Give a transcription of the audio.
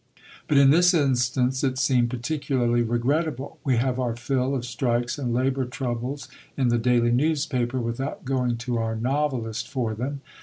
But in this instance it seemed particularly regrettable. We have our fill of strikes and labour troubles in the daily newspaper, without going to our novelist for them.